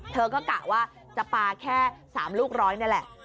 เธอก็กะว่าจะปลาแค่๓ลูกร้อยนี่แหละ